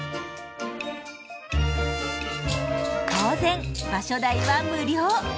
当然場所代は無料。